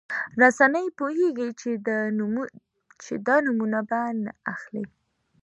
رسنۍ پوهېږي چې د نومونه به نه اخلي.